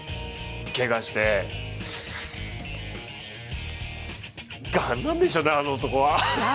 けがしてなんなんでしょうね、あの男は。